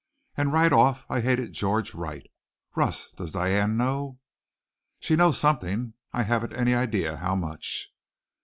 And right off I hated George Wright. Russ, does Diane know?" "She knows something. I haven't any idea how much."